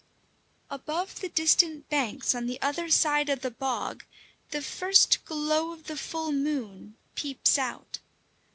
Above the distant banks on the other side of the bog, the first glow of the full moon peeps out.